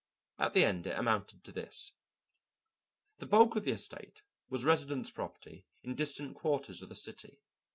At the end it amounted to this: The bulk of the estate was residence property in distant quarters of the city.